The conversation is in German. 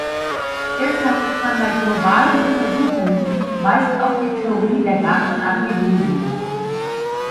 Deshalb ist man bei globalen Untersuchungen meist auf die Theorie der Garben angewiesen.